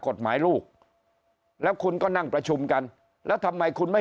กฎหมายลูกแล้วคุณก็นั่งประชุมกันแล้วทำไมคุณไม่